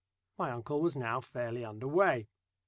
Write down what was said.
My uncle was now fairly under way.